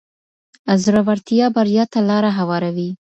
زړورتیا بریا ته لاره هواروي.